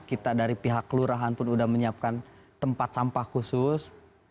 kita dari pihak kelurahan pun sudah menyiapkan tempat sampah khusus